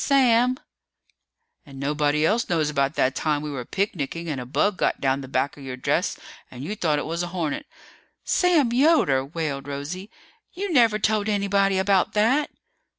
"Sam!" "And nobody else knows about that time we were picnicking and a bug got down the back of your dress and you thought it was a hornet." "Sam Yoder!" wailed Rosie. "You never told anybody about that!"